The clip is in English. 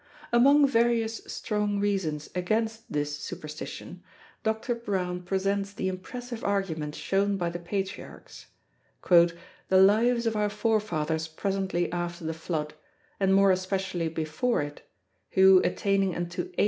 Among various strong reasons against this superstition, Dr. Browne presents the impressive argument shown by the Patriarchs: "the lives of our forefathers presently after the flood, and more especially before it, who, attaining unto 8.